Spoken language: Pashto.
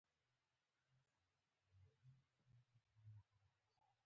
د زړه ناروغیو عوامل باید مدیریت شي.